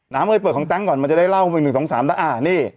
น้ำเอ้ยเปิดของตั้งก่อนมันจะได้เล่า๑๒๓นะ